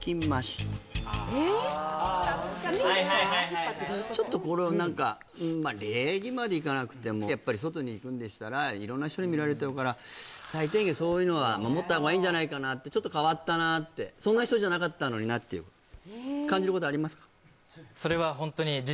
はいはいはいはいちょっとこれは何かまあ礼儀までいかなくてもやっぱり外に行くんでしたら色んな人に見られてるから最低限そういうのは守った方がいいんじゃないかなってちょっと変わったなってそんな人じゃなかったのになって・「事実で」